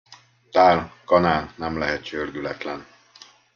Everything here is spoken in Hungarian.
Tál, kanál nem lehet csördületlen.